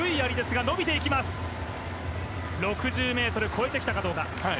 ６０ｍ超えてきたかどうか。